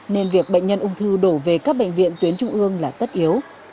nên việc bệnh nhân ung thư đổ về các bệnh viện tuyến trung ương là tất yếu